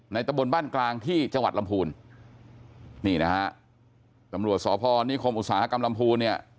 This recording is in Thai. ตะบนบ้านกลางที่จังหวัดลำพูนนี่นะฮะตำรวจสพนิคมอุตสาหกรรมลำพูนเนี่ย